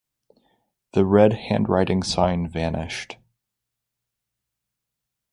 The red handwriting sign vanished.